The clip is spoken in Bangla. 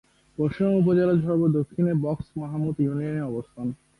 পরশুরাম উপজেলার সর্ব-দক্ষিণে বক্স মাহমুদ ইউনিয়নের অবস্থান।